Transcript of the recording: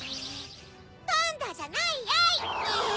パンダじゃないやい！